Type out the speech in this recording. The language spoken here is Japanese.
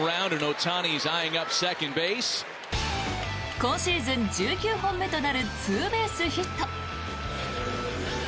今シーズン１９本目となるツーベースヒット。